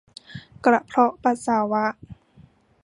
กระเพาะปัสสาวะ